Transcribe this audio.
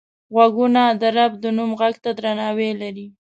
غوږونه د رب د نوم غږ ته درناوی لري